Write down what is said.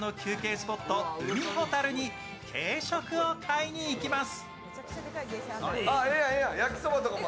スポット海ほたるに軽食を買いに行きます。